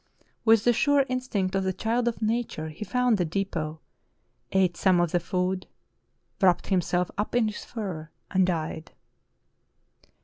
With the sure in stinct of the child of nature, he found the depot, ate some of the food, wrapped himself up in his fur, and died.'